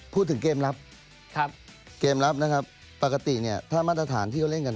พูดถึงเกมรับนะครับปกติถ้ามัฐฐานที่เราเล่นกัน